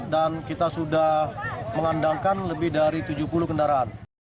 dan kita sudah mengandangkan lebih dari tujuh puluh kendaraan